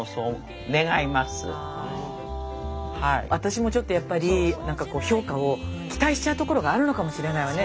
私は私もちょっとやっぱりなんかこう評価を期待しちゃうところがあるのかもしれないわね。